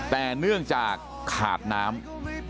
แต่เนื่องจากขาดน้ำ